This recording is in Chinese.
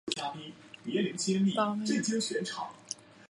宇久町是位于长崎县北松浦郡的离岛的一町。